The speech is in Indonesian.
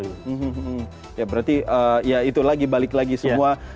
ya berarti ya itu lagi balik lagi semua